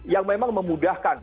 yang memang memudahkan